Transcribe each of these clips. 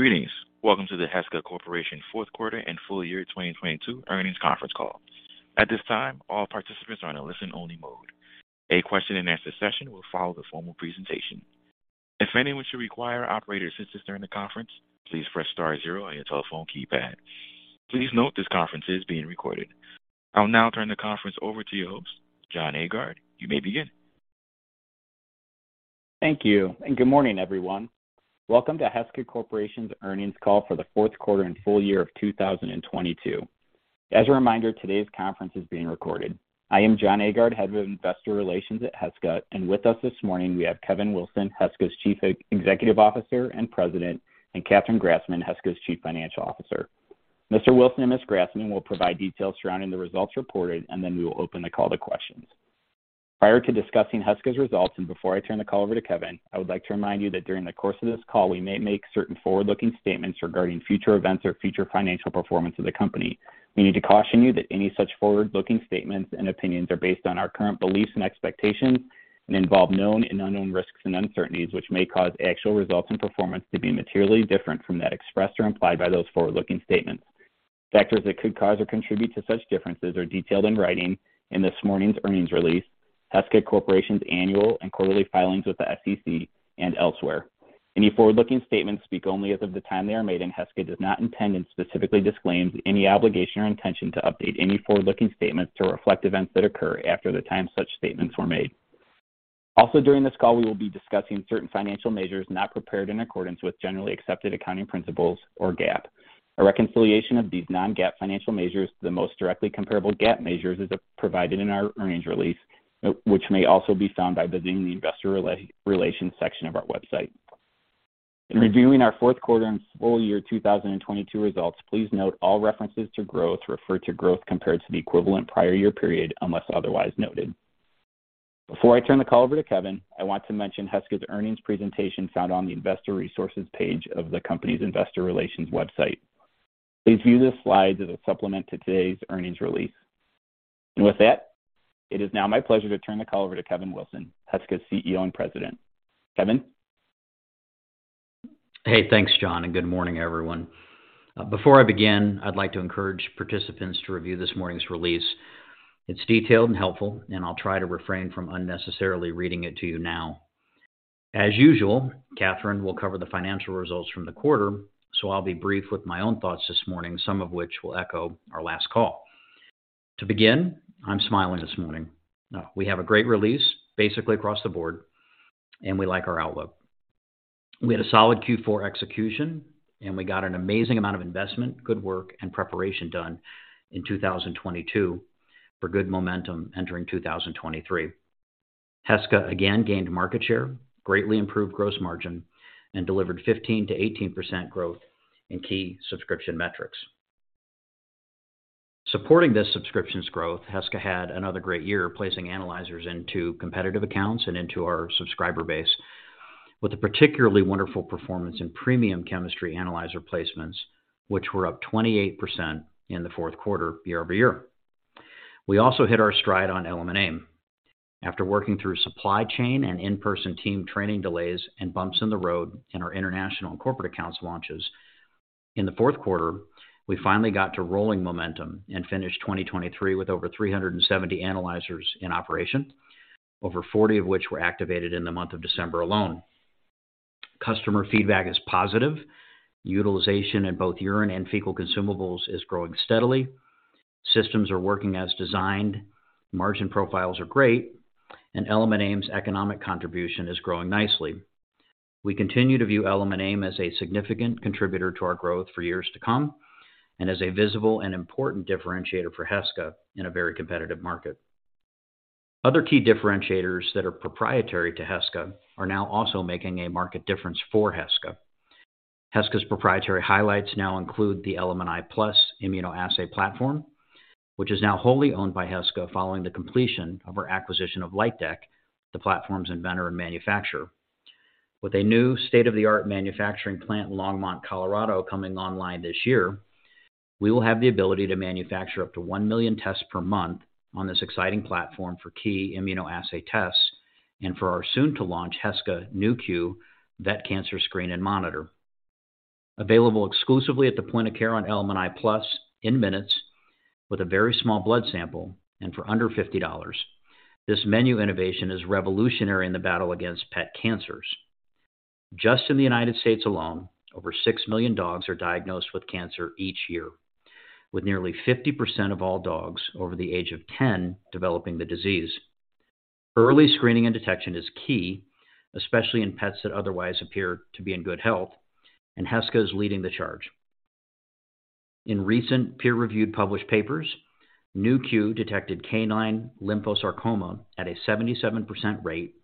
Greetings. Welcome to the Heska Corporation Fourth Quarter and Full Year 2022 Earnings Conference Call. At this time, all participants are in a listen-only mode. A question-and-answer session will follow the formal presentation. If anyone should require operator assistance during the conference, please press star zero on your telephone keypad. Please note this conference is being recorded. I'll now turn the conference over to you host, Jon Aagaard. You may begin. Thank you. Good morning, everyone. Welcome to Heska Corporation's Earnings Call for the Fourth Quarter and Full Year of 2022. As a reminder, today's conference is being recorded. I am Jon Aagaard, Head of Investor Relations at Heska. With us this morning, we have Kevin Wilson, Heska's Chief Executive Officer and President, and Catherine Grassman, Heska's Chief Financial Officer. Mr. Wilson and Ms. Grassman will provide details surrounding the results reported. Then we will open the call to questions. Prior to discussing Heska's results, and before I turn the call over to Kevin, I would like to remind you that during the course of this call, we may make certain forward-looking statements regarding future events or future financial performance of the company. We need to caution you that any such forward-looking statements and opinions are based on our current beliefs and expectations and involve known and unknown risks and uncertainties, which may cause actual results and performance to be materially different from that expressed or implied by those forward-looking statements. Factors that could cause or contribute to such differences are detailed in writing in this morning's earnings release, Heska Corporation's annual and quarterly filings with the SEC and elsewhere. Any forward-looking statements speak only as of the time they are made, and Heska does not intend and specifically disclaims any obligation or intention to update any forward-looking statements to reflect events that occur after the time such statements were made. Also, during this call, we will be discussing certain financial measures not prepared in accordance with generally accepted accounting principles or GAAP. A reconciliation of these non-GAAP financial measures to the most directly comparable GAAP measures is provided in our earnings release, which may also be found by visiting the Investor Relations section of our website. In reviewing our fourth quarter and full year 2022 results, please note all references to growth refer to growth compared to the equivalent prior year period, unless otherwise noted. Before I turn the call over to Kevin, I want to mention Heska's earnings presentation found on the investor resources page of the company's Investor Relations website. Please view the slides as a supplement to today's earnings release. With that, it is now my pleasure to turn the call over to Kevin Wilson, Heska's CEO and President. Kevin? Hey, thanks, Jon, and good morning, everyone. Before I begin, I'd like to encourage participants to review this morning's release. It's detailed and helpful, and I'll try to refrain from unnecessarily reading it to you now. As usual, Catherine will cover the financial results from the quarter, so I'll be brief with my own thoughts this morning, some of which will echo our last call. To begin, I'm smiling this morning. We have a great release basically across the board, and we like our outlook. We had a solid Q4 execution, and we got an amazing amount of investment, good work and preparation done in 2022 for good momentum entering 2023. Heska again gained market share, greatly improved gross margin, and delivered 15%-18% growth in key subscription metrics. Supporting this subscription's growth, Heska had another great year placing analyzers into competitive accounts and into our subscriber base with a particularly wonderful performance in premium chemistry analyzer placements, which were up 28% in the fourth quarter year-over-year. We also hit our stride on Element AIM. After working through supply chain and in-person team training delays and bumps in the road in our international and corporate accounts launches, in the fourth quarter, we finally got to rolling momentum and finished 2023 with over 370 analyzers in operation, over 40 of which were activated in the month of December alone. Customer feedback is positive. Utilization in both urine and fecal consumables is growing steadily. Systems are working as designed, margin profiles are great, and Element AIM's economic contribution is growing nicely. We continue to view Element AIM as a significant contributor to our growth for years to come, as a visible and important differentiator for Heska in a very competitive market. Other key differentiators that are proprietary to Heska are now also making a market difference for Heska. Heska's proprietary highlights now include the Element i+ immunoassay platform, which is now wholly owned by Heska following the completion of our acquisition of LightDeck, the platform's inventor and manufacturer. With a new state-of-the-art manufacturing plant in Longmont, Colorado, coming online this year, we will have the ability to manufacture up to 1 million tests per month on this exciting platform for key immunoassay tests and for our soon-to-launch Heska Nu.Q vet cancer screen and monitor. Available exclusively at the point of care on Element i+ in minutes with a very small blood sample for under $50. This menu innovation is revolutionary in the battle against pet cancers. Just in the U.S. alone, over 6 million dogs are diagnosed with cancer each year, with nearly 50% of all dogs over the age of 10 developing the disease. Early screening and detection is key, especially in pets that otherwise appear to be in good health, Heska is leading the charge. In recent peer-reviewed published papers, Nu.Q detected canine lymphosarcoma at a 77% rate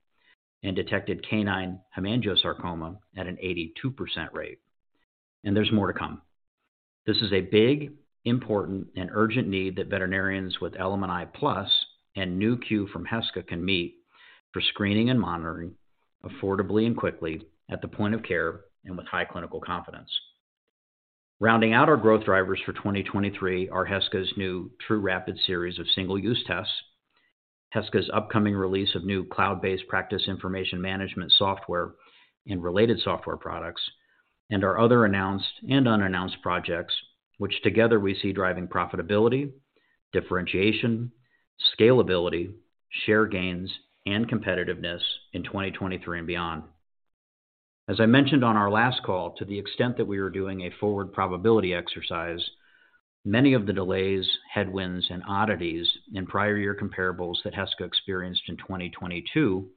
and detected canine hemangiosarcoma at an 82% rate. There's more to come. This is a big, important, and urgent need that veterinarians with Element i+ and Nu.Q from Heska can meet for screening and monitoring affordably and quickly at the point of care and with high clinical confidence. Rounding out our growth drivers for 2023 are Heska's new trūRapid series of single-use tests, Heska's upcoming release of new cloud-based practice information management software and related software products, and our other announced and unannounced projects, which together we see driving profitability, differentiation, scalability, share gains, and competitiveness in 2023 and beyond. As I mentioned on our last call, to the extent that we were doing a forward probability exercise, many of the delays, headwinds, and oddities in prior year comparables that Heska experienced in 2022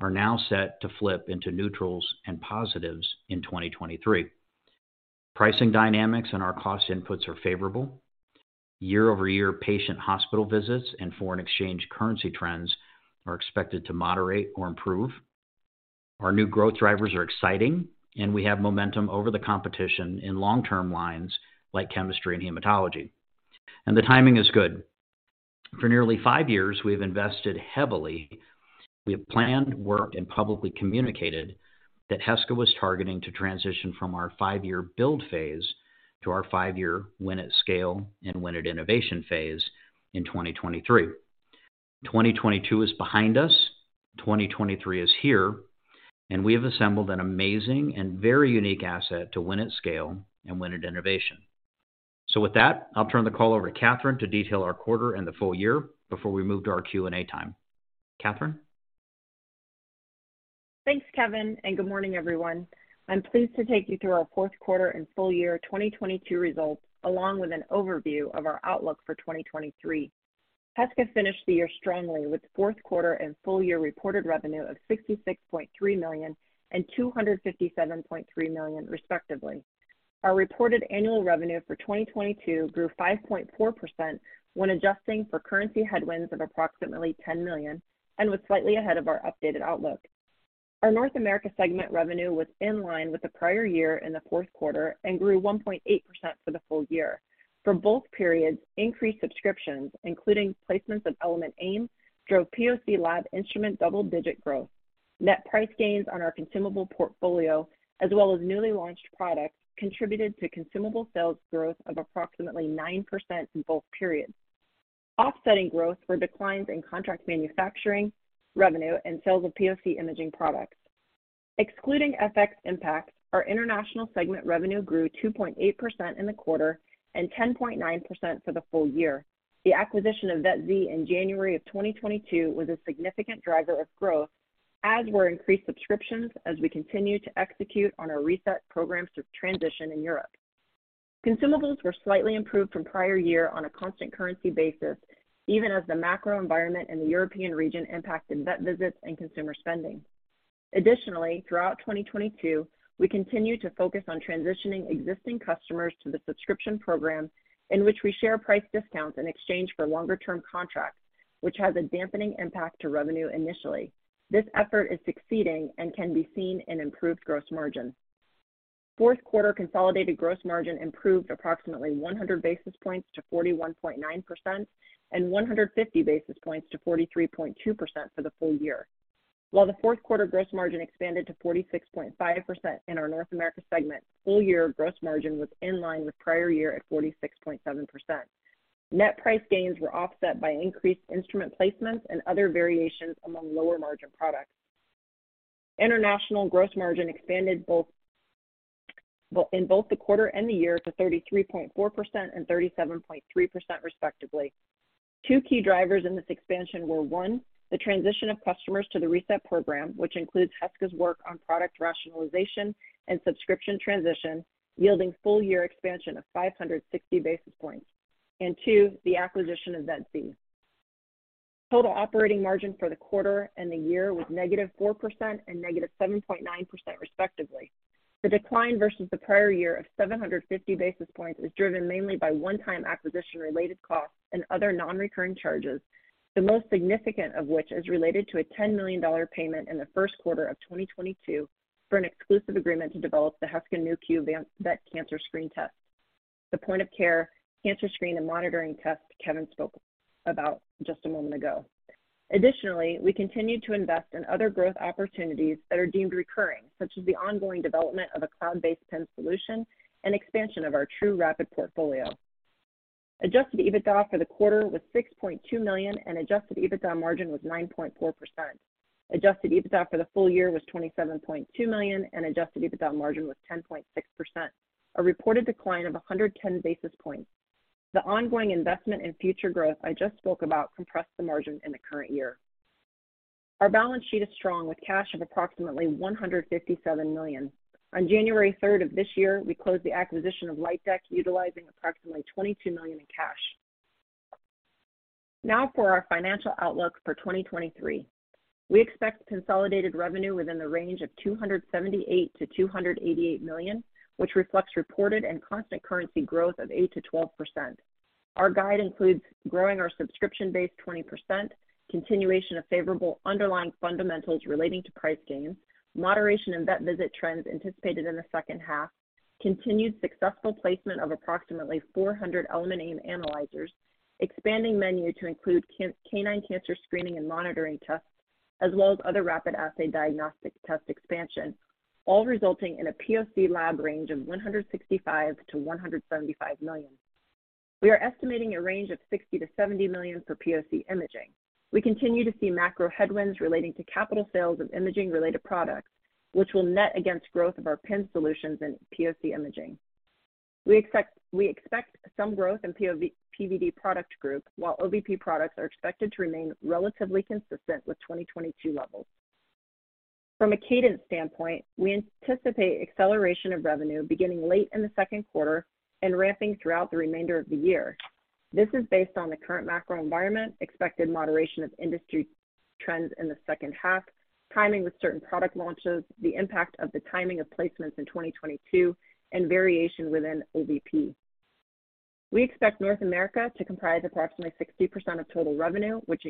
are now set to flip into neutrals and positives in 2023. Pricing dynamics and our cost inputs are favorable. Year-over-year patient hospital visits and foreign exchange currency trends are expected to moderate or improve. Our new growth drivers are exciting, and we have momentum over the competition in long-term lines like chemistry and hematology. The timing is good. For nearly five years, we've invested heavily. We have planned work and publicly communicated that Heska was targeting to transition from our five year build phase to our five year win at scale and win at innovation phase in 2023. 2022 is behind us, 2023 is here. We have assembled an amazing and very unique asset to win at scale and win at innovation. With that, I'll turn the call over to Catherine to detail our quarter and the full year before we move to our Q&A time. Catherine? Thanks, Kevin. Good morning, everyone. I'm pleased to take you through our fourth quarter and full year 2022 results, along with an overview of our outlook for 2023. Heska finished the year strongly with fourth quarter and full year reported revenue of $66.3 million and $257.3 million, respectively. Our reported annual revenue for 2022 grew 5.4% when adjusting for currency headwinds of approximately $10 million and was slightly ahead of our updated outlook. Our North America segment revenue was in line with the prior year in the fourth quarter and grew 1.8% for the full year. For both periods, increased subscriptions, including placements of Element AIM, drove POC lab instrument double-digit growth. Net price gains on our consumable portfolio, as well as newly launched products, contributed to consumable sales growth of approximately 9% in both periods. Offsetting growth were declines in contract manufacturing, revenue, and sales of POC imaging products. Excluding FX impact, our international segment revenue grew 2.8% in the quarter and 10.9% for the full year. The acquisition of VetZ in January of 2022 was a significant driver of growth, as were increased subscriptions as we continue to execute on our RESET programs through transition in Europe. Consumables were slightly improved from prior year on a constant currency basis, even as the macro environment in the European region impacted vet visits and consumer spending. Additionally, throughout 2022, we continued to focus on transitioning existing customers to the subscription program in which we share price discounts in exchange for longer-term contracts, which has a dampening impact to revenue initially. This effort is succeeding and can be seen in improved gross margin. Fourth quarter consolidated gross margin improved approximately 100 basis points to 41.9% and 150 basis points to 43.2% for the full year. While the fourth quarter gross margin expanded to 46.5% in our North America segment, full year gross margin was in line with prior year at 46.7%. Net price gains were offset by increased instrument placements and other variations among lower margin products. International gross margin expanded in both the quarter and the year to 33.4% and 37.3%, respectively. Two key drivers in this expansion were, one, the transition of customers to the RESET program, which includes Heska's work on product rationalization and subscription transition, yielding full year expansion of 560 basis points. And two, the acquisition of VetZ. Total operating margin for the quarter and the year was -4% and -7.9%, respectively. The decline versus the prior year of 750 basis points was driven mainly by one-time acquisition-related costs and other non-recurring charges, the most significant of which is related to a $10 million payment in the first quarter of 2022 for an exclusive agreement to develop the Heska Nu.Q vet cancer screen test, the point-of-care cancer screen and monitoring test Kevin spoke about just a moment ago. Additionally, we continued to invest in other growth opportunities that are deemed recurring, such as the ongoing development of a cloud-based PIMS solution and expansion of our trūRapid portfolio. Adjusted EBITDA for the quarter was $6.2 million, and Adjusted EBITDA margin was 9.4%. Adjusted EBITDA for the full year was $27.2 million, and Adjusted EBITDA margin was 10.6%, a reported decline of 110 basis points. The ongoing investment in future growth I just spoke about compressed the margin in the current year. Our balance sheet is strong, with cash of approximately $157 million. On January 3rd of this year, we closed the acquisition of LightDeck, utilizing approximately $22 million in cash. Now for our financial outlook for 2023. We expect consolidated revenue within the range of $278 million-$288 million, which reflects reported and constant currency growth of 8%-12%. Our guide includes growing our subscription base 20%, continuation of favorable underlying fundamentals relating to price gains, moderation in vet visit trends anticipated in the second half, continued successful placement of approximately 400 Element AIM analyzers, expanding menu to include canine cancer screening and monitoring tests. As well as other rapid assay diagnostic test expansion, all resulting in a POC lab range of $165 million-$175 million. We are estimating a range of $60 million-$70 million for POC imaging. We continue to see macro headwinds relating to capital sales of imaging related products, which will net against growth of our PIMS solutions in POC imaging. We expect some growth in PVD product group, while OVP products are expected to remain relatively consistent with 2022 levels. From a cadence standpoint, we anticipate acceleration of revenue beginning late in the second quarter and ramping throughout the remainder of the year. This is based on the current macro environment, expected moderation of industry trends in the second half, timing with certain product launches, the impact of the timing of placements in 2022, and variation within OVP. We expect North America to comprise approximately 60% of total revenue, which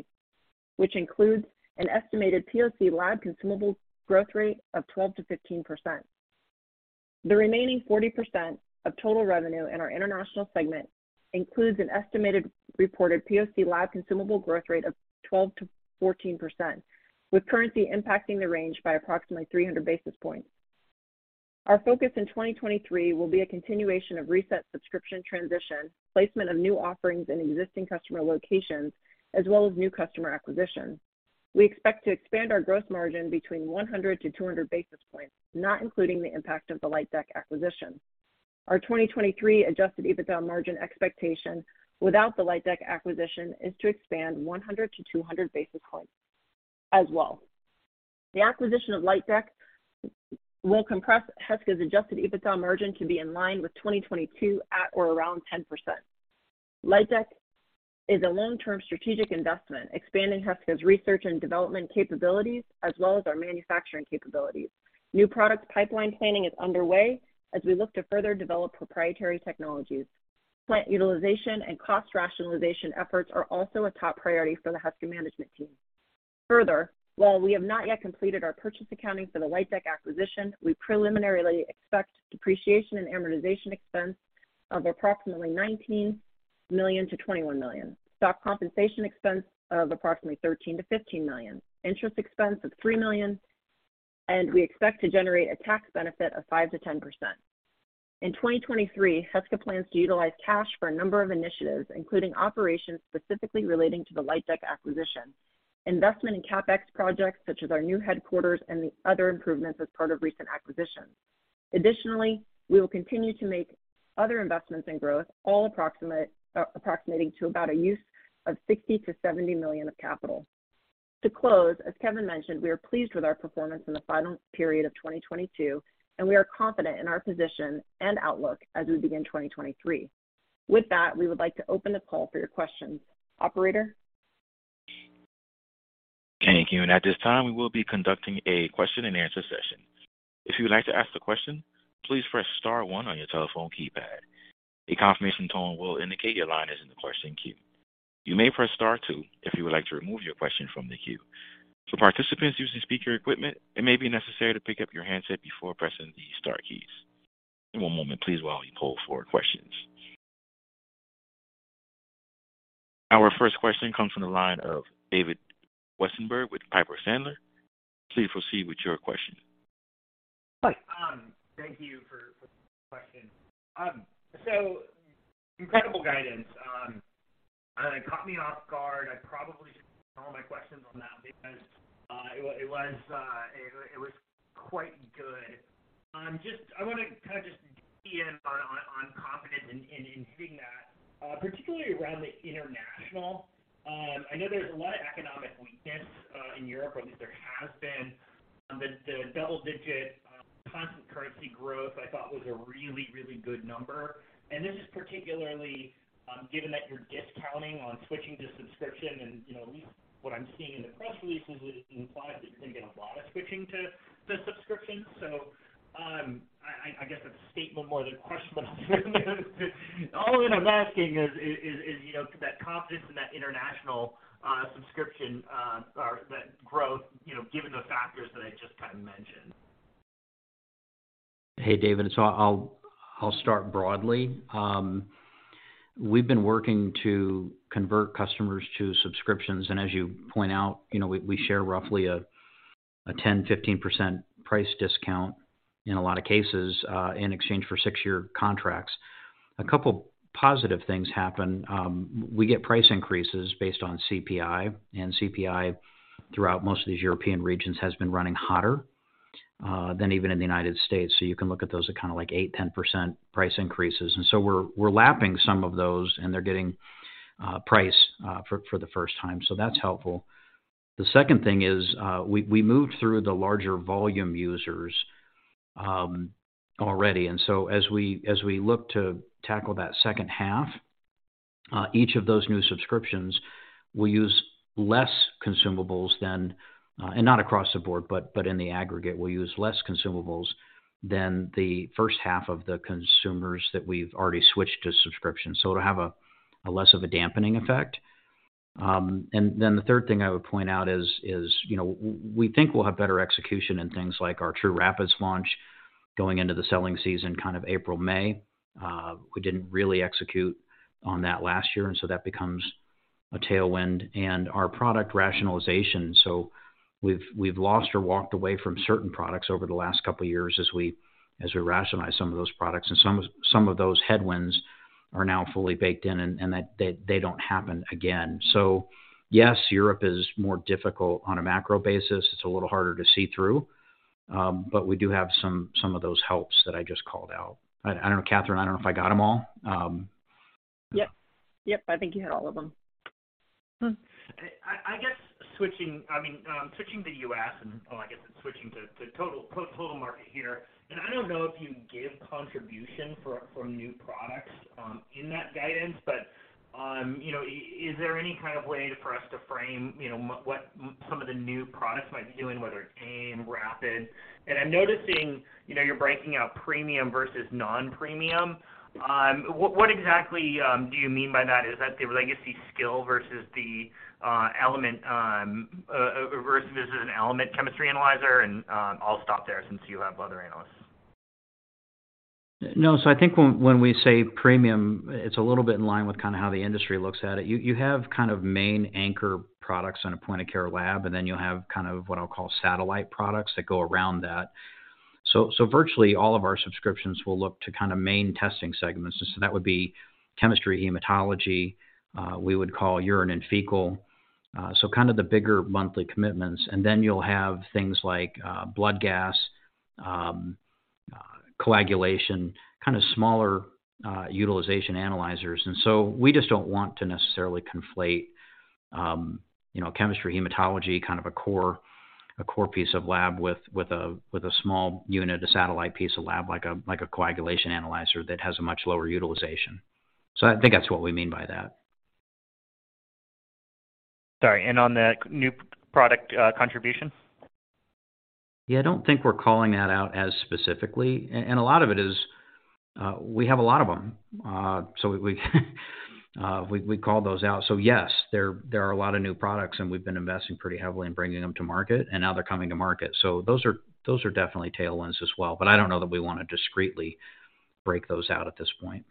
includes an estimated POC lab consumable growth rate of 12%-15%. The remaining 40% of total revenue in our international segment includes an estimated reported POC lab consumable growth rate of 12%-14%, with currency impacting the range by approximately 300 basis points. Our focus in 2023 will be a continuation of recent subscription transition, placement of new offerings in existing customer locations, as well as new customer acquisition. We expect to expand our gross margin between 100-200 basis points, not including the impact of the LightDeck acquisition. Our 2023 Adjusted EBITDA margin expectation without the LightDeck acquisition is to expand 100-200 basis points as well. The acquisition of LightDeck will compress Heska's Adjusted EBITDA margin to be in line with 2022 at or around 10%. LightDeck is a long-term strategic investment, expanding Heska's research and development capabilities as well as our manufacturing capabilities. New product pipeline planning is underway as we look to further develop proprietary technologies. Plant utilization and cost rationalization efforts are also a top priority for the Heska management team. Further, while we have not yet completed our purchase accounting for the LightDeck acquisition, we preliminarily expect depreciation and amortization expense of approximately $19 million-$21 million, stock compensation expense of approximately $13 million-$15 million, interest expense of $3 million, and we expect to generate a tax benefit of 5%-10%. In 2023, Heska plans to utilize cash for a number of initiatives, including operations specifically relating to the LightDeck acquisition, investment in CapEx projects such as our new headquarters and the other improvements as part of recent acquisitions. Additionally, we will continue to make other investments in growth, all approximate, approximating to about a use of $60 million-$70 million of capital. To close, as Kevin mentioned, we are pleased with our performance in the final period of 2022, and we are confident in our position and outlook as we begin 2023. With that, we would like to open the call for your questions. Operator? Thank you. At this time, we will be conducting a question-and-answer session. If you would like to ask a question, please press star one on your telephone keypad. A confirmation tone will indicate your line is in the question queue. You may press star two if you would like to remove your question from the queue. For participants using speaker equipment, it may be necessary to pick up your handset before pressing the star keys. One moment please while we pull for questions. Our first question comes from the line of David Westenberg with Piper Sandler. Please proceed with your question. Hi. Thank you for the question. Incredible guidance, it caught me off guard. I probably should call my questions on that because it was quite good. Just I want to kind of just key in on confidence in hitting that, particularly around the international. I know there's a lot of economic weakness in Europe, or at least there has been. The double-digit constant currency growth I thought was a really good number. This is particularly given that you're discounting on switching to subscription and, you know, at least what I'm seeing in the press releases, it implies that you're seeing a lot of switching to the subscription. I guess that's a statement more than a question. All in I'm asking is, you know, that confidence in that international subscription or that growth, you know, given the factors that I just kind of mentioned? Hey, David. I'll start broadly. We've been working to convert customers to subscriptions. As you point out, you know, we share roughly a 10%-15% price discount in a lot of cases in exchange for six year contracts. A couple positive things happen. We get price increases based on CPI. CPI throughout most of these European regions has been running hotter than even in the United States. You can look at those at kind of like 8%-10% price increases. We're lapping some of those, and they're getting price for the first time. That's helpful. The second thing is, we moved through the larger volume users already. As we look to tackle that second half, each of those new subscriptions will use less consumables than, and not across the board, but in the aggregate, will use less consumables than the first half of the consumers that we've already switched to subscription. It'll have a less of a dampening effect. The third thing I would point out is, you know, we think we'll have better execution in things like our trūRapids launch. Going into the selling season, kind of April, May, we didn't really execute on that last year. That becomes a tailwind. Our product rationalization. We've lost or walked away from certain products over the last couple of years as we rationalize some of those products. Some of those headwinds are now fully baked in and they don't happen again. Yes, Europe is more difficult on a macro basis. It's a little harder to see through. We do have some of those helps that I just called out. I don't know, Catherine, I don't know if I got them all. Yep. Yep, I think you hit all of them. Mm-hmm. I mean, switching to U.S. and, or I guess it's switching to total market here. I don't know if you gave contribution for, from new products, in that guidance, but, you know, is there any kind of way for us to frame, you know, what some of the new products might be doing, whether it's AIM, Rapid? I'm noticing, you know, you're breaking out premium versus non-premium. What exactly do you mean by that? Is that the legacy skill versus the Element, versus an Element chemistry analyzer? I'll stop there since you have other analysts. No. I think when we say premium, it's a little bit in line with kind of how the industry looks at it. You have kind of main anchor products in a point-of-care lab, then you'll have kind of what I'll call satellite products that go around that. Virtually all of our subscriptions will look to kind of main testing segments. That would be chemistry, hematology, we would call urine and fecal, so kind of the bigger monthly commitments. Then you'll have things like blood gas, coagulation, kind of smaller, utilization analyzers. We just don't want to necessarily conflate, you know, chemistry, hematology, kind of a core piece of lab with a small unit, a satellite piece of lab, like a coagulation analyzer that has a much lower utilization. I think that's what we mean by that. Sorry, on the new product, contribution? Yeah, I don't think we're calling that out as specifically. A lot of it is, we have a lot of them. We, we call those out. Yes, there are a lot of new products, and we've been investing pretty heavily in bringing them to market, and now they're coming to market. Those are, those are definitely tailwinds as well. I don't know that we want to discreetly break those out at this point.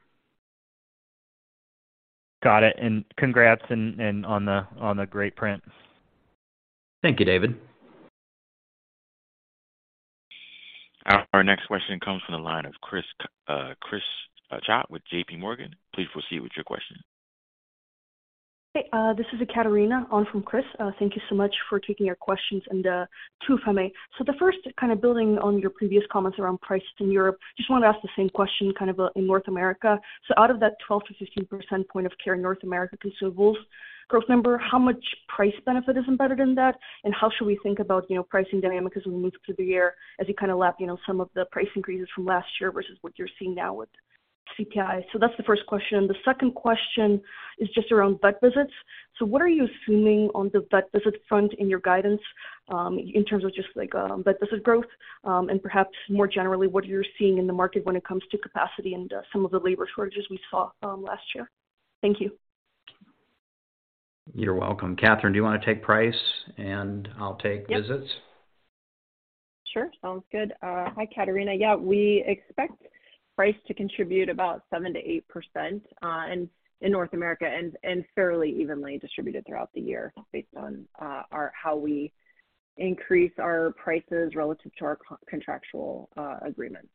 Got it. Congrats and on the great prints. Thank you, David. Our next question comes from the line of Chris Schott with JPMorgan. Please proceed with your question. Hey, this is Ekaterina on for Chris. Thank you so much for taking our questions and two from me. The first kind of building on your previous comments around price in Europe, just wanted to ask the same question kind of in North America. Out of that 12%-15% point of care in North America consumables growth number, how much price benefit is embedded in that? How should we think about, you know, pricing dynamic as we move through the year as you kind of lap, you know, some of the price increases from last year versus what you're seeing now with CPI? That's the first question. The second question is just around vet visits. What are you assuming on the vet visit front in your guidance, in terms of just like, vet visit growth, and perhaps more generally, what you're seeing in the market when it comes to capacity and, some of the labor shortages we saw, last year? Thank you. You're welcome. Catherine, do you wanna take price and I'll take visits? Yep. Sure. Sounds good. Hi, Ekaterina. We expect price to contribute about 7%-8% in North America, and fairly evenly distributed throughout the year based on how we increase our prices relative to our contractual agreements.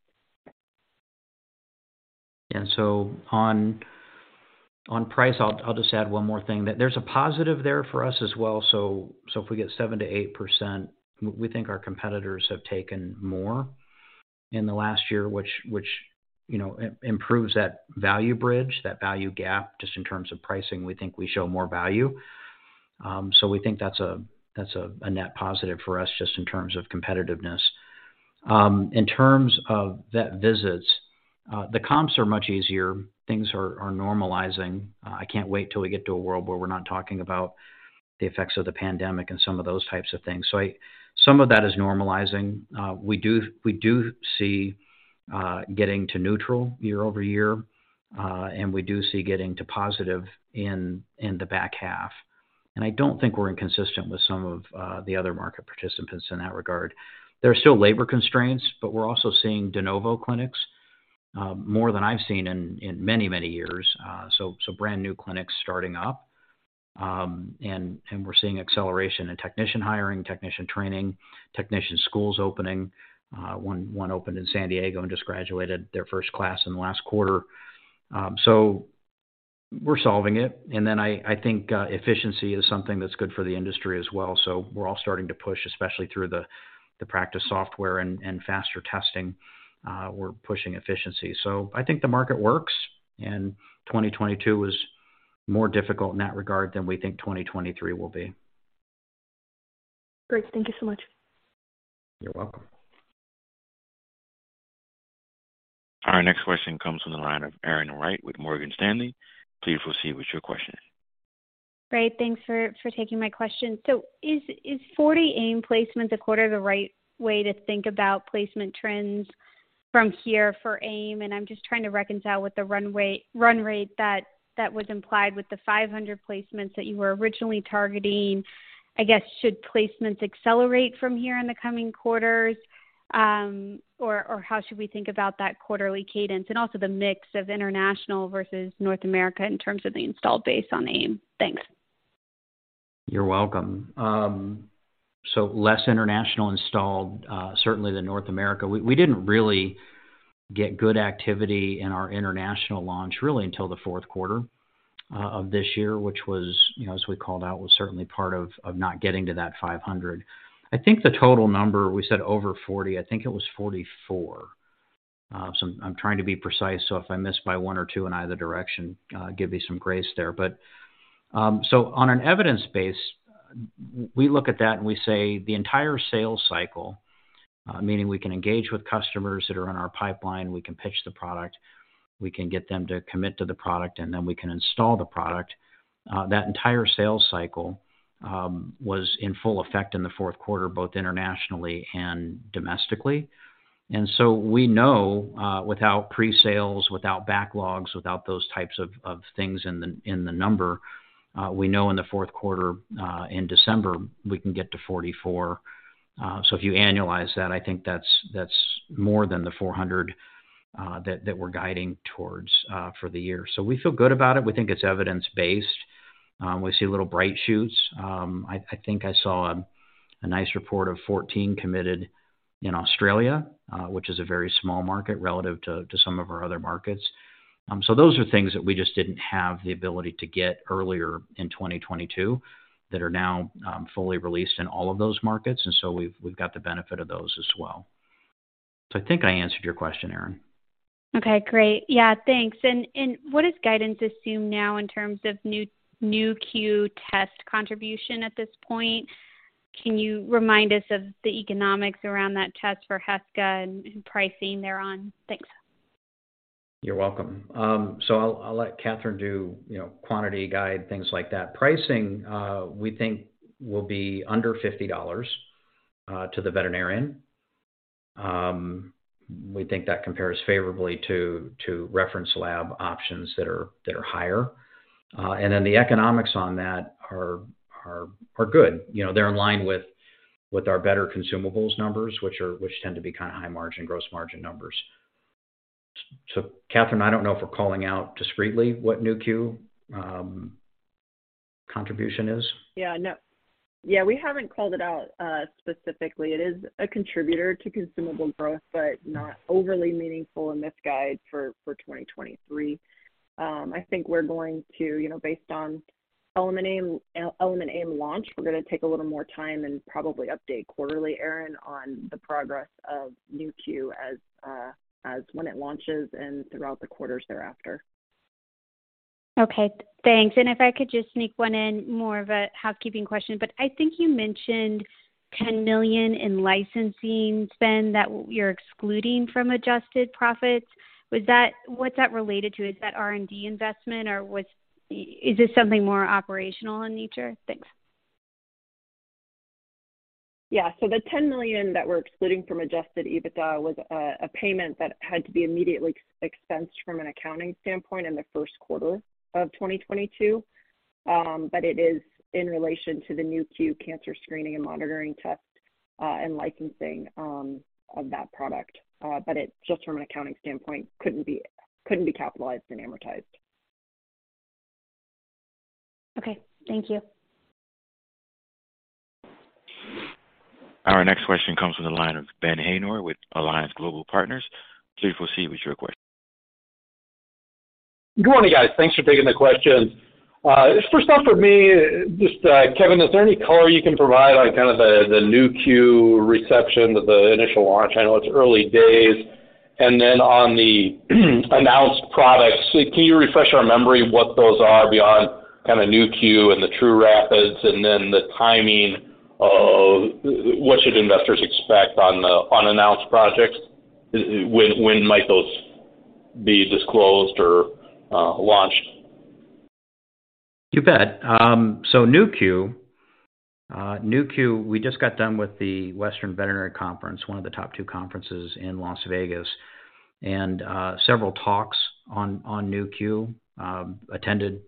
On price, I'll just add one more thing, that there's a positive there for us as well. If we get 7%-8%, we think our competitors have taken more in the last year, which, you know, improves that value bridge, that value gap, just in terms of pricing. We think we show more value. We think that's a net positive for us just in terms of competitiveness. In terms of vet visits, the comps are much easier. Things are normalizing. I can't wait till we get to a world where we're not talking about the effects of the pandemic and some of those types of things. Some of that is normalizing. We do see getting to neutral year-over-year, and we do see getting to positive in the back half. I don't think we're inconsistent with some of the other market participants in that regard. There are still labor constraints, but we're also seeing de novo clinics more than I've seen in many, many years. Brand new clinics starting up. We're seeing acceleration in technician hiring, technician training, technician schools opening. One opened in San Diego and just graduated their first class in the last quarter. We're solving it. I think efficiency is something that's good for the industry as well. We're all starting to push, especially through the practice software and faster testing, we're pushing efficiency. I think the market works, and 2022 was more difficult in that regard than we think 2023 will be. Great. Thank you so much. You're welcome. Our next question comes from the line of Erin Wright with Morgan Stanley. Please proceed with your question. Great. Thanks for taking my question. Is 40 AIM placements a quarter the right way to think about placement trends from here for AIM? I'm just trying to reconcile with the run rate that was implied with the 500 placements that you were originally targeting. I guess, should placements accelerate from here in the coming quarters? Or how should we think about that quarterly cadence and also the mix of international versus North America in terms of the installed base on AIM? Thanks. You're welcome. Less international installed, certainly than North America. We didn't really get good activity in our international launch really until the fourth quarter of this year, which was, you know, as we called out, was certainly part of not getting to that 500. I think the total number, we said over 40, I think it was 44. I'm trying to be precise, so if I miss by one or two in either direction, give me some grace there. On an evidence base, we look at that and we say the entire sales cycle, meaning we can engage with customers that are in our pipeline, we can pitch the product, we can get them to commit to the product, and then we can install the product. That entire sales cycle was in full effect in the fourth quarter, both internationally and domestically. We know, without pre-sales, without backlogs, without those types of things in the number, we know in the fourth quarter, in December, we can get to $44 million. If you annualize that, I think that's more than the $400 million that we're guiding towards for the year. We feel good about it. We think it's evidence-based. We see little bright shoots. I think I saw a nice report of 14 committed in Australia, which is a very small market relative to some of our other markets. Those are things that we just didn't have the ability to get earlier in 2022 that are now fully released in all of those markets. We've got the benefit of those as well. I think I answered your question, Erin. Okay, great. Yeah, thanks. What does guidance assume now in terms of Nu.Q test contribution at this point? Can you remind us of the economics around that test for Heska and pricing thereon? Thanks. You're welcome. I'll let Catherine do, you know, quantity guide, things like that. Pricing, we think will be under $50 to the veterinarian. We think that compares favorably to reference lab options that are higher. The economics on that are good. You know, they're in line with our better consumables numbers, which tend to be kind of high margin, gross margin numbers. Catherine, I don't know if we're calling out discreetly what Nu.Q contribution is. Yeah, no. Yeah, we haven't called it out specifically. It is a contributor to consumable growth, but not overly meaningful in this guide for 2023. I think we're going to, you know, based on Element AIM launch, we're gonna take a little more time and probably update quarterly, Erin, on the progress of Nu.Q when it launches and throughout the quarters thereafter. Okay, thanks. If I could just sneak one in, more of a housekeeping question, but I think you mentioned $10 million in licensing spend that you're excluding from adjusted profits. What's that related to? Is that R&D investment or is this something more operational in nature? Thanks. The $10 million that we're excluding from Adjusted EBITDA was a payment that had to be immediately expensed from an accounting standpoint in the first quarter of 2022. It is in relation to the Nu.Q cancer screening and monitoring test and licensing of that product. It, just from an accounting standpoint, couldn't be capitalized and amortized. Okay, thank you. Our next question comes from the line of Ben Haynor with Alliance Global Partners. Please proceed with your question. Good morning, guys. Thanks for taking the questions. Just first off with me, just, Kevin, is there any color you can provide on kind of the Nu.Q reception, the initial launch? I know it's early days. On the announced products, so can you refresh our memory what those are beyond kind of Nu.Q and the trūRapid and then the timing of... What should investors expect on the unannounced projects? When, when might those be disclosed or launched? You bet. Nu.Q, we just got done with the Western Veterinary Conference, one of the top two conferences in Las Vegas. Several talks on Nu.Q attended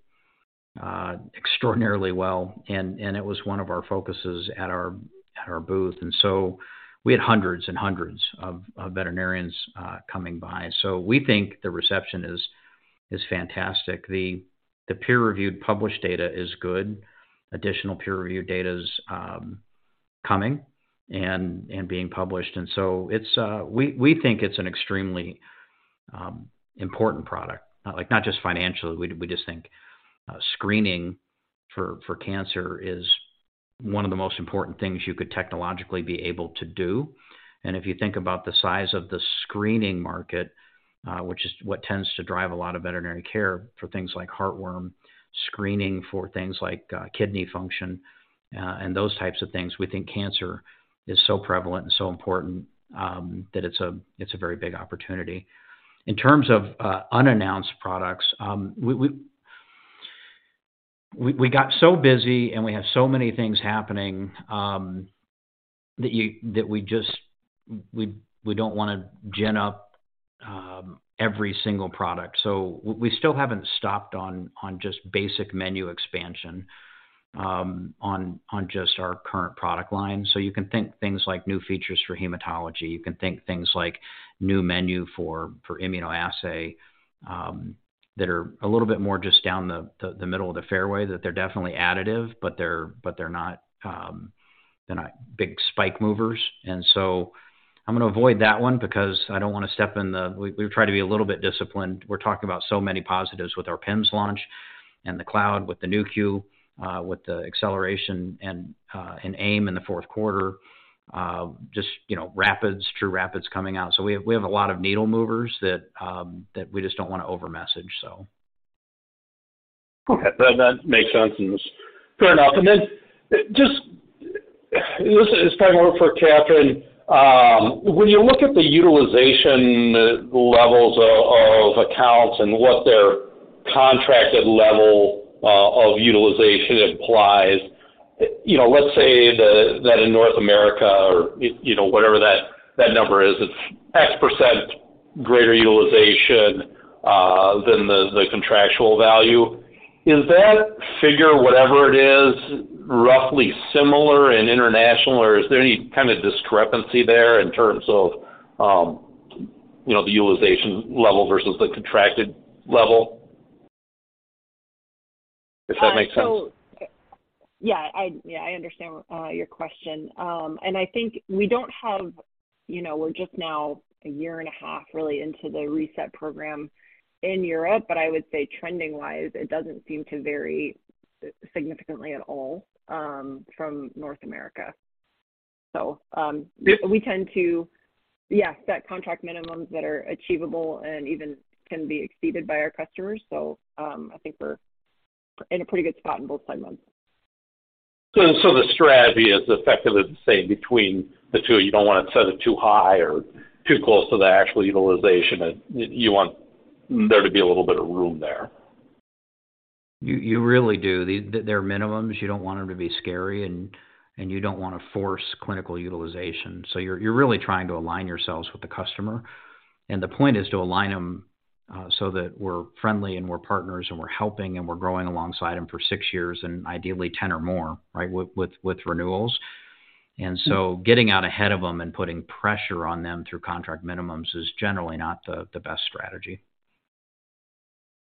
extraordinarily well, and it was one of our focuses at our booth. We had hundreds and hundreds of veterinarians coming by. We think the reception is fantastic. The peer-reviewed published data is good. Additional peer-reviewed data is coming and being published. It's we think it's an extremely important product. Like not just financially, we just think screening for cancer is one of the most important things you could technologically be able to do. If you think about the size of the screening market, which is what tends to drive a lot of veterinary care for things like heartworm, screening for things like kidney function, and those types of things, we think cancer is so prevalent and so important, that it's a very big opportunity. In terms of unannounced products, We got so busy and we have so many things happening, that we just, we don't wanna gen up every single product. We still haven't stopped on just basic menu expansion, on just our current product line. You can think things like new features for hematology, you can think things like new menu for immunoassay, that are a little bit more just down the middle of the fairway, that they're definitely additive, but they're not big spike movers. I'm gonna avoid that one because I don't wanna step in the. We try to be a little bit disciplined. We're talking about so many positives with our PIMS launch and the cloud with the Nu.Q, with the acceleration and AIM in the fourth quarter, just, you know, Rapids, trūRapid coming out. We have a lot of needle movers that we just don't wanna over message. Okay. That makes sense. Fair enough. Then just, this is probably more for Catherine. When you look at the utilization levels of accounts and what their contracted level of utilization implies, you know, let's say that in North America or, you know, whatever that number is, it's X% greater utilization than the contractual value. Is that figure, whatever it is, roughly similar in international, or is there any kind of discrepancy there in terms of, you know, the utilization level versus the contracted level? If that makes sense. I understand your question. I think we don't have, you know, we're just now a year and a half really into the RESET program in Europe, I would say trending-wise, it doesn't seem to vary significantly at all from North America. Yeah. We tend to, yes, set contract minimums that are achievable and even can be exceeded by our customers. I think we're in a pretty good spot in both segments. The strategy is effectively the same between the two. You don't wanna set it too high or too close to the actual utilization. You want there to be a little bit of room there. You really do. They're minimums. You don't want them to be scary and you don't want to force clinical utilization. You're really trying to align yourselves with the customer. The point is to align them so that we're friendly and we're partners and we're helping and we're growing alongside them for six years and ideally 10 or more, right, with renewals. Getting out ahead of them and putting pressure on them through contract minimums is generally not the best strategy.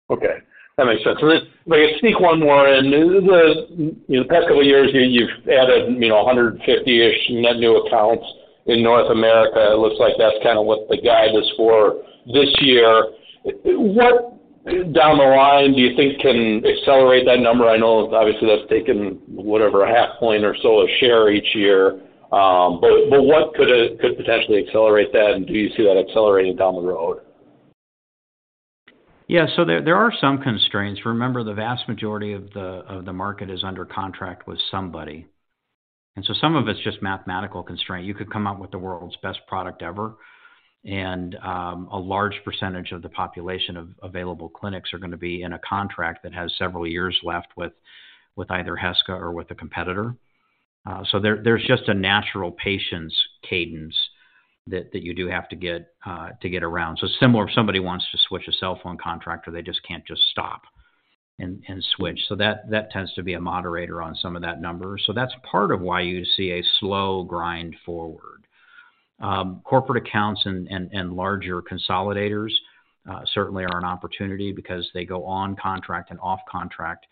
Okay, that makes sense. Let me sneak one more in. The, you know, the past couple of years, you've added, you know, 150-ish net new accounts in North America. It looks like that's kinda what the guide is for this year. What down the line do you think can accelerate that number? I know obviously that's taken whatever, a half point or so of share each year. But what could potentially accelerate that? Do you see that accelerating down the road? There are some constraints. Remember, the vast majority of the market is under contract with somebody, some of it's just mathematical constraint. You could come out with the world's best product ever, a large percentage of the population of available clinics are gonna be in a contract that has several years left with either Heska or with a competitor. There's just a natural patience cadence that you do have to get around. Similar, if somebody wants to switch a cell phone contractor, they just can't just stop and switch. That tends to be a moderator on some of that number. That's part of why you see a slow grind forward. Corporate accounts and larger consolidators certainly are an opportunity because they go on contract and off contract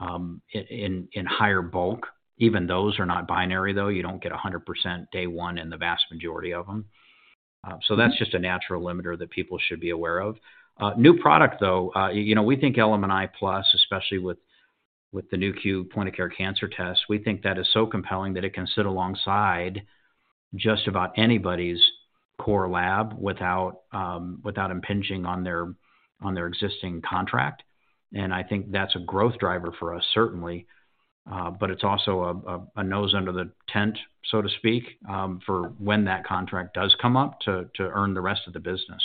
in higher bulk. Even those are not binary, though. You don't get 100% day one in the vast majority of them. That's just a natural limiter that people should be aware of. New product, though, you know, we think Element i+, especially with the Nu.Q point-of-care cancer test, we think that is so compelling that it can sit alongside just about anybody's core lab without impinging on their existing contract. I think that's a growth driver for us, certainly. It's also a nose under the tent, so to speak, for when that contract does come up to earn the rest of the business.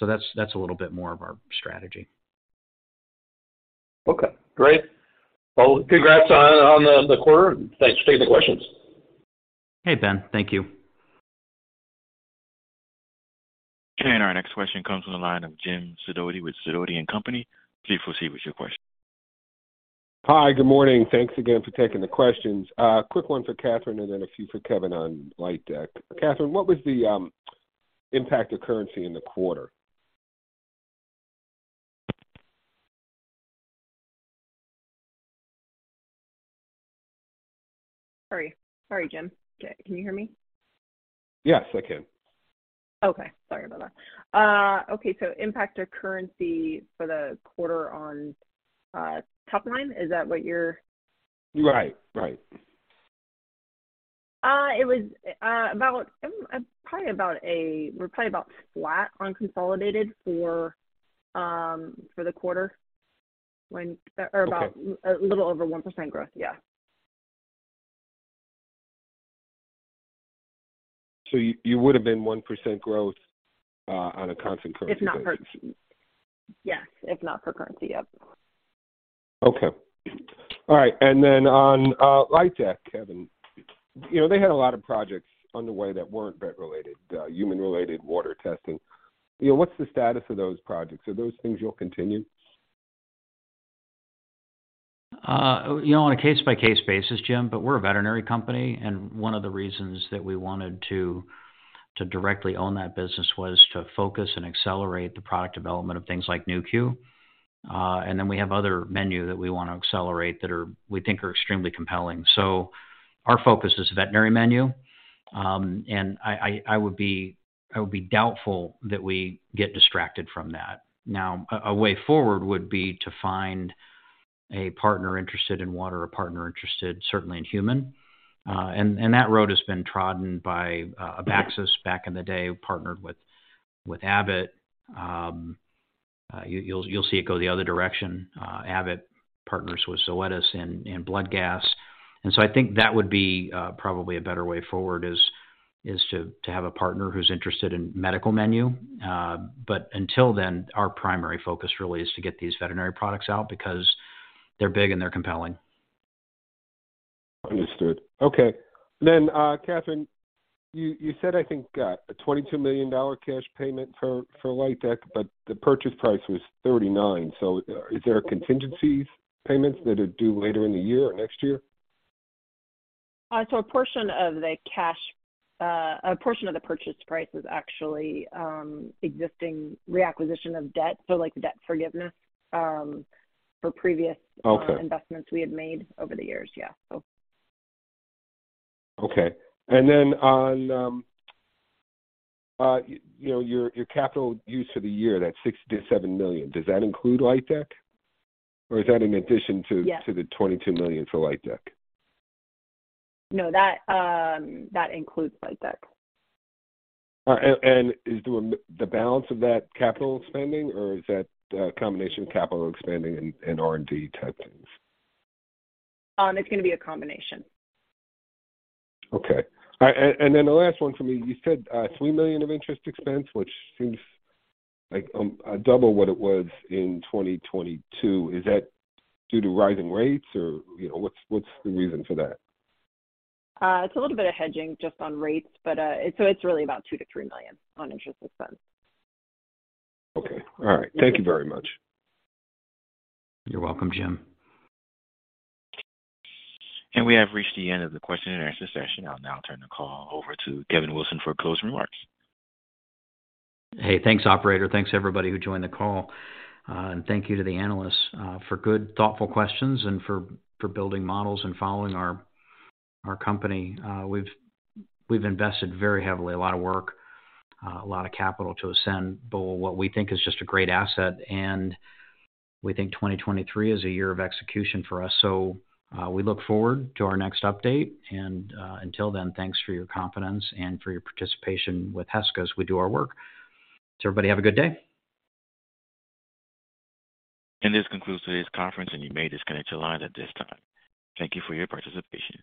That's a little bit more of our strategy. Great. Well, congrats on the quarter and thanks for taking the questions. Hey, Ben. Thank you. Okay, our next question comes from the line of Jim Sidoti with Sidoti & Company. Please proceed with your question. Hi. Good morning. Thanks again for taking the questions. quick one for Catherine and then a few for Kevin on LightDeck. Catherine, what was the impact of currency in the quarter? Sorry. Sorry, Jim. Can you hear me? Yes, I can. Okay. Sorry about that. Okay, so impact of currency for the quarter on, top line, is that what you're- Right. Right. It was about we're probably about flat on consolidated for the quarter when Okay. About a little over 1% growth, yeah. You would've been 1% growth, on a constant currency. Yes. If not for currency, yep. Okay. All right. On LightDeck, Kevin. You know, they had a lot of projects on the way that weren't vet related, human-related water testing. You know, what's the status of those projects? Are those things you'll continue? You know, on a case-by-case basis, Jim. We're a veterinary company, and one of the reasons that we wanted to directly own that business was to focus and accelerate the product development of things like Nu.Q. We have other menu that we wanna accelerate that we think are extremely compelling. Our focus is veterinary menu. I would be doubtful that we get distracted from that. Now, a way forward would be to find a partner interested in water or a partner interested certainly in human. And that road has been trodden by Abaxis back in the day, partnered with Abbott. You'll see it go the other direction, Abbott partners with Zoetis in blood gas. I think that would be, probably a better way forward is to have a partner who's interested in medical menu. Until then, our primary focus really is to get these veterinary products out because they're big and they're compelling. Understood. Okay. Catherine, you said, I think, a $22 million cash payment for LightDeck, but the purchase price was $39 million. Is there a contingencies payments that are due later in the year or next year? A portion of the purchase price is actually existing reacquisition of debt, so like debt forgiveness, for previous. Okay. investments we had made over the years. Yeah, so. Okay. On, you know, your capital use for the year, that $67 million, does that include LightDeck, or is that in addition to? Yes. to the $22 million for LightDeck? No, that includes LightDeck. All right. Is the balance of that capital spending, or is that a combination of capital spending and R&D type things? It's gonna be a combination. Okay. The last one for me, you said, $3 million of interest expense, which seems like, double what it was in 2022. Is that due to rising rates or, you know, what's the reason for that? It's a little bit of hedging just on rates, but, so it's really about $2 million-$3 million on interest expense. Okay. All right. Thank you very much. You're welcome, Jim. We have reached the end of the question-and-answer session. I'll now turn the call over to Kevin Wilson for closing remarks. Hey, thanks, Operator. Thanks everybody who joined the call. Thank you to the analysts for good, thoughtful questions and for building models and following our company. We've invested very heavily, a lot of work, a lot of capital to ascend what we think is just a great asset, and we think 2023 is a year of execution for us. We look forward to our next update, and until then, thanks for your confidence and for your participation with Heska as we do our work. Everybody have a good day. This concludes today's conference, and you may disconnect your lines at this time. Thank you for your participation.